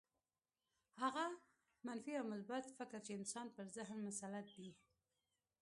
هغه منفي يا مثبت افکار چې د انسان پر ذهن مسلط دي.